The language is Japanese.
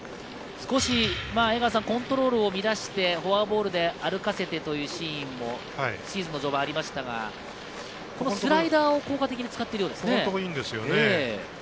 少しコントロールを乱してフォアボールで歩かせてというシーンもありましたが、スライダーを効果的に使っているようですね。